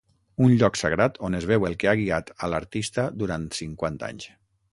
Un lloc sagrat on es veu el que ha guiat a l'artista durant cinquanta anys.